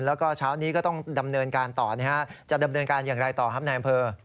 แล้วก็เช้านี้ก็ต้องดำเนินการต่อจะดำเนินการอย่างไรต่อครับนายอำเภอ